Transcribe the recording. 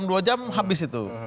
dia satu jam dua jam habis itu